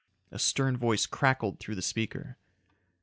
A stern voice crackled through the speaker.